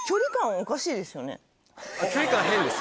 距離感変です。